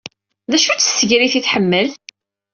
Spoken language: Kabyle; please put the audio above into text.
D acu-tt tsegrit ay tḥemmel?